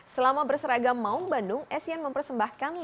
selama berseragam maung bandung essien mempersembahkan lima gol